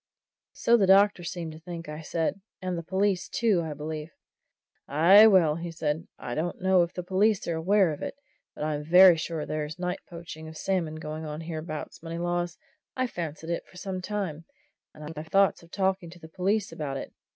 "So the doctor seemed to think," I said. "And the police, too, I believe." "Aye, well," said he, "I don't know if the police are aware of it, but I'm very sure there's night poaching of salmon going on hereabouts, Moneylaws. I've fancied it for some time, and I've had thoughts of talking to the police about it.